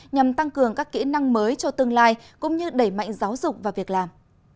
nhằm tăng cường các kỹ năng mới cho tương lai cũng như đẩy mạnh giáo dục và việc làm